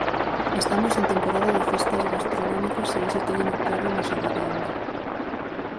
Estamos en temporada de festas gastronómicas e iso téñeno claro no Sabadeando.